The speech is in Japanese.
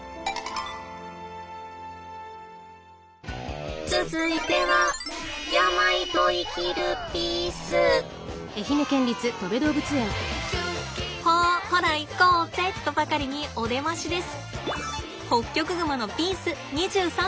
ツヅイテはほほら行こうぜとばかりにお出ましです。